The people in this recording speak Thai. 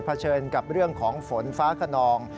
เฉินกับเรื่องของฝนฟ้าขนอง